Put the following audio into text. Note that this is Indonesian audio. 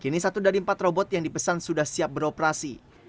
kini satu dari empat robot yang dipesan sudah siap beroperasi